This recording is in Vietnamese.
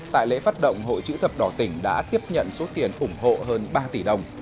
tại lễ phát động hội chữ thập đỏ tỉnh đã tiếp nhận số tiền ủng hộ hơn ba tỷ đồng